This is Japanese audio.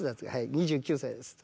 「２９歳です」。